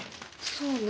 そうね。